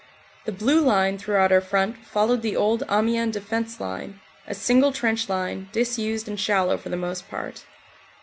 The Blue Line throughout our front followed the old Amiens Defense Line, a single trench line, disused and shallow for the most part.